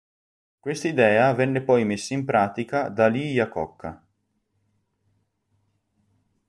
Questa idea venne poi messa in pratica da Lee Iacocca.